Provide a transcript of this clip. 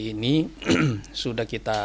ini sudah kita